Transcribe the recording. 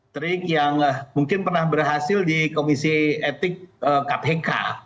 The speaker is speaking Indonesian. trik yang mungkin pernah berhasil di komisi etik kpk